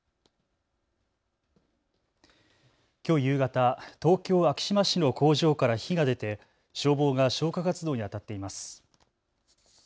きょう夕方、東京昭島市の工場から火が出て、消防が消火活動にあたっています。